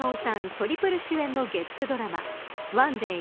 トリプル主演の月９ドラマＯＮＥＤＡＹ